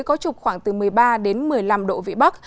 có trục khoảng từ một mươi ba đến một mươi năm độ vị bắc